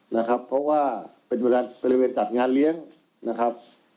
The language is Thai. นะครับเพราะว่าเป็นบริเวณจัดงานเลี้ยงนะครับ